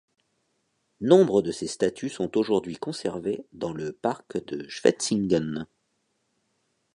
Nombre de ces statues sont aujourd'hui conservés dans le parc de Schwetzingen.